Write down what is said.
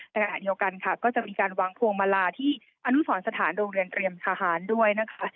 ขณะเดียวกันค่ะก็จะมีการวางพวงมาลาที่อนุสรสถานโรงเรียนเตรียมทหารด้วยนะคะ